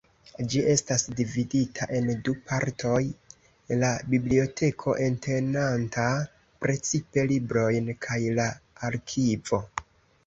Ĝi estas dividita en du partoj: la biblioteko, entenanta precipe librojn, kaj la arkivo.